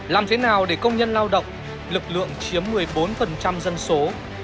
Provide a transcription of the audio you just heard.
làm thế nào để công nhân lao động lực lượng chiếm một mươi bốn dân số